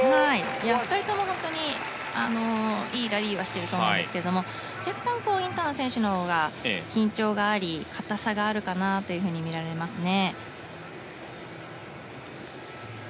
２人ともいいラリーはしていると思うんですけれども若干インタノン選手のほうが緊張があり硬さがあるかなとみられますね。